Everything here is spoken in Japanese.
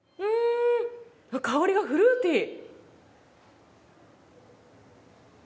香りがフルーティー！